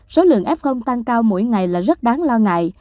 số lượng f tăng cao mỗi ngày là rất đáng lo ngại